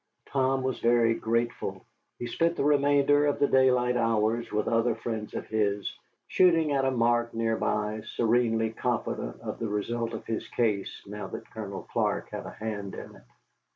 Tom was very grateful. He spent the remainder of the daylight hours with other friends of his, shooting at a mark near by, serenely confident of the result of his case now that Colonel Clark had a hand in it.